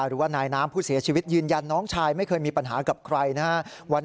หรือว่านายน้ำผู้เสียชีวิตยืนยันน้องชายไม่เคยมีปัญหากับใครนะครับ